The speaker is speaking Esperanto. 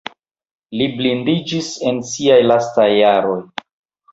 Li blindiĝis en siaj lastaj jaroj.